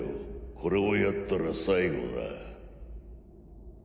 これをやったら最後な。